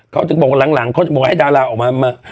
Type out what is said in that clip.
เขาจะบอกว่ารังเขาจะให้ดาราออกมา